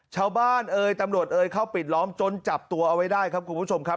เอ่ยตำรวจเอยเข้าปิดล้อมจนจับตัวเอาไว้ได้ครับคุณผู้ชมครับ